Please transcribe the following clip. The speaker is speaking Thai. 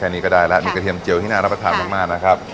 แค่นี้ก็ได้แล้วมีกระเทียมเจียวที่น่ารับประทานมากมากนะครับครับ